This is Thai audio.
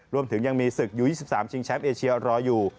รวมถึงยังมีศึกอยู่๒๓ชิงแชมป์เอเชียรออยู่